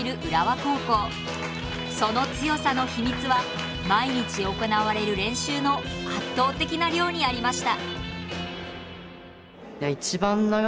その強さの秘密は毎日行われる練習の圧倒的な量にありました。